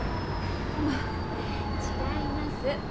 もう違います。